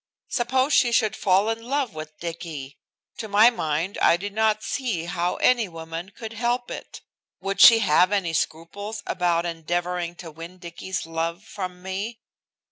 Suppose she should fall in love with Dicky! To my mind I did not see how any woman could help it. Would she have any scruples about endeavoring to win Dicky's love from me?